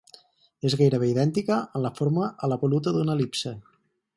És gairebé idèntica en la forma a l'evoluta d'una el·lipse.